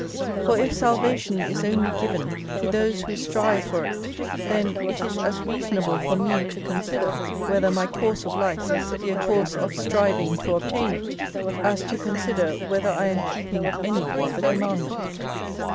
For if salvation is only given to those who strive for it, then it is as reasonable for me to consider whether my course of life be a course of striving" to obtain it, as to consider whether 1 am keeping any of the com mandments.